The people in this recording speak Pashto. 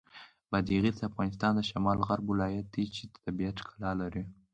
بادغیس د افغانستان د شمال غرب ولایت دی چې د طبیعت ښکلا لري.